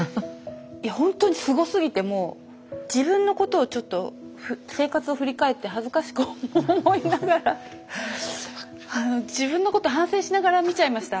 いやほんとにすごすぎてもう自分のことをちょっと生活を振り返って恥ずかしく思いながら自分のこと反省しながら見ちゃいました。